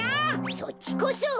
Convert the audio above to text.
そっちこそ！